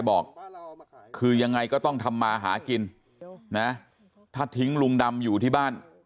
บอกคือยังไงก็ต้องทำมาหากินนะถ้าทิ้งลุงดำอยู่ที่บ้าน